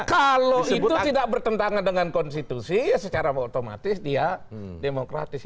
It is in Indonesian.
kalau itu tidak bertentangan dengan konstitusi ya secara otomatis dia demokratis